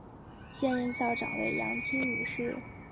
现任校长为杨清女士。